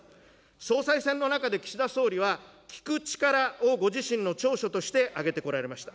総裁選の中で岸田総理は、聞く力をご自身の長所として挙げてこられました。